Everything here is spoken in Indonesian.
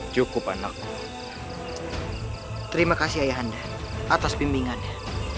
cukup anakku terima kasih ayah anda atas bimbingannya